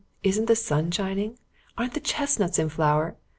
Isn't the sun shining? Aren't the chestnuts in flower?